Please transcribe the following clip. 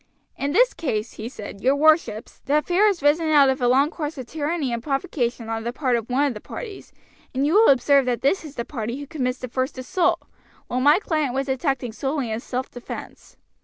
"In this case," he said, "your worships, the affair has arisen out of a long course of tyranny and provocation on the part of one of the parties, and you will observe that this is the party who first commits the assault, while my client was acting solely in self defense.